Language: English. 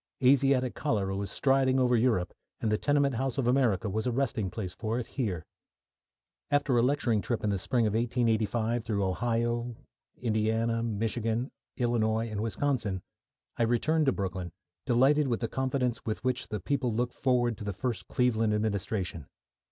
Asiatic cholera was striding over Europe, and the tenement house of America was a resting place for it here. After a lecturing trip in the spring of 1885 through Ohio, Indiana, Michigan, Illinois, and Wisconsin, I returned to Brooklyn, delighted with the confidence with which the people looked forward to the first Cleveland administration.